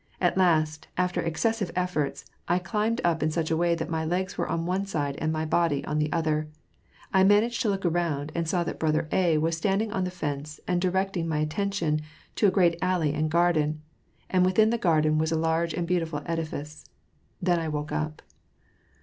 At last, after excessive efforts, I climbed up in such a way that my legs were on one side and my body on the other. I managed to look around, and saw that Brother A was standing on the fence and di recting my attention to a great alley and garden, and wiUiin the garden was a large and beautiful edifice. Then I woke up.